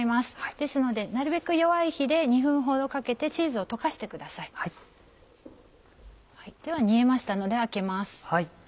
ですのでなるべく弱い火で２分ほどかけてチーズを溶かしてください。では煮えましたので開けます。